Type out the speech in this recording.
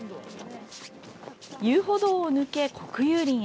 遊歩道を抜け、国有林へ。